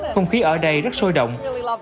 không khí ở đây rất sôi động